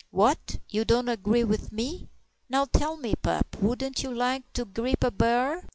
"What, you don't agree with me! Now tell me, pup, wouldn't ye like to grip a bar?"